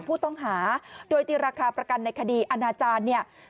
ผู้ต้องหาโดยตีราคาประกันในคดีอาณาจารย์เนี่ย